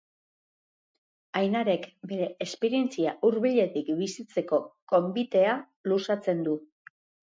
Ainarek bere esperientzia hurbiletik bizitzeko gonbitea luzatzen du.